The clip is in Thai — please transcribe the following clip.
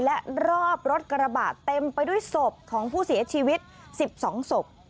และรอบรถกระบะเต็มไปด้วยศพของผู้เสียชีวิต๑๒ศพ